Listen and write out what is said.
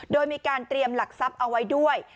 โดยมีการเตรียมหลักทรัพย์เอาไว้ด้วย